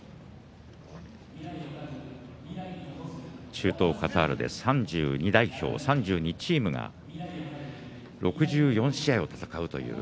中東カタールで３２代表３２チームが６４試合を戦うという。